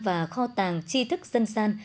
và kho tàng chi thức dân gian